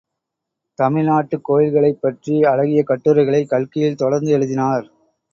தமிழ்நாட்டுக் கோயில்களைப் பற்றி அழகிய கட்டுரைகளை கல்கியில் தொடர்ந்து எழுதினார்.